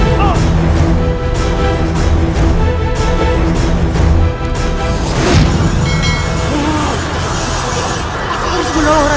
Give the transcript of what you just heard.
kita harus membantu adik kita